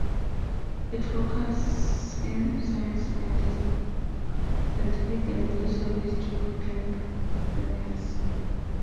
Its focus is science and the scientific and military history of Camp Evans.